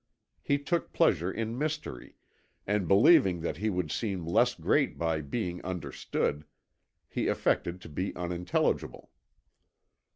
He took pleasure in mystery, and believing that he would seem less great by being understood, he affected to be unintelligible.